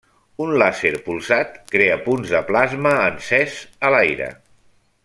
Un làser polsat crea punts de plasma encès a l'aire.